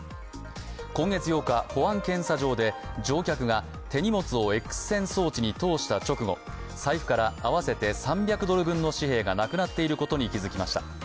今月８日、保安検査場で乗客が手荷物をＸ線装置に通した直後、財布から、合わせて３００ドル分の紙幣がなくなっていることに気づきました。